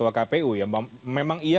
oleh ketua kpu memang iya